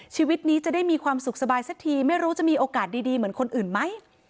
ชีวิตนี้จะได้มีความสุขสบายสักทีไม่รู้จะมีโอกาสดีเหมือนคนอื่นไหม